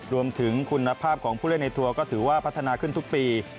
รวมถึงคุณภาพของผู้เล่นในทัวร์ก็ถือว่าพัฒนาขึ้นทุกปี